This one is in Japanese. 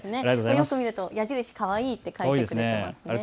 よく見ると矢印、かわいいと書いてありますね。